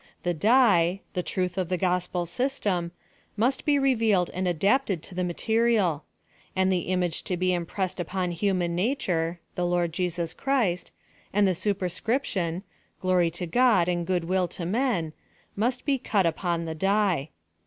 The die [the truth of the f^ospcl sj/s !c?ji] must be revealed and /idapted to tlie material ; and the image to be impressed upon Imman natnre [The Lord Jesus Christ] and the superscrijnion, [glory to God and good will to men] nuist ])e cut upon the die.